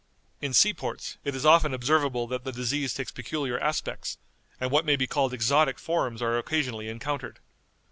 _" "In sea ports it is often observable that the disease takes peculiar aspects, and what may be called exotic forms are occasionally encountered.